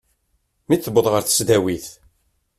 Mi d-tewweḍ ɣer tesdawit.